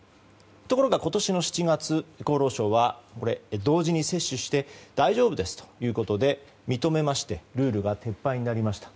ところが、今年の７月厚労省は同時に接種して大丈夫ですということで認めましてルールが撤廃になりました。